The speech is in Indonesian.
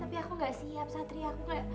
tapi aku gak siap satria aku